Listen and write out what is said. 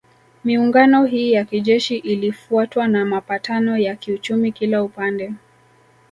Miungano hii ya kijeshi ilifuatwa na mapatano ya kiuchumi kila upande